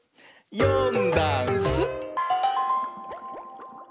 「よんだんす」